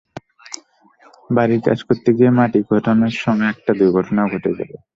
বাড়ির কাজ করতে গিয়ে মাটি খননের সময় একটা দুর্ঘটনা ঘটে গেল।